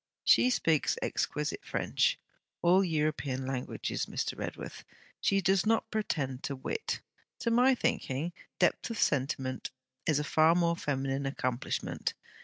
'She speaks exquisite French all European languages, Mr. Redworth. She does not pretend to wit. To my thinking, depth of sentiment is a far more feminine accomplishment.